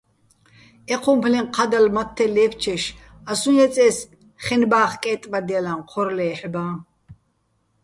ეჴუმფლეჼ ჴადალ მათთე ლე́ფჩეშ ას უჼ ჲეწე́ს ხენბა́ხ კე́ტბადჲალაჼ ჴორ ლე́ჰ̦ბაჼ?